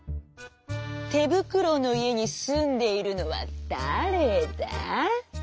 てぶくろのいえにすんでいるのはだれだ？」。